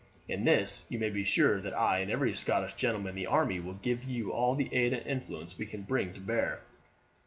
In this you may be sure that I and every Scottish gentleman in the army will give you all the aid and influence we can bring to bear."